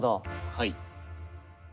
はい。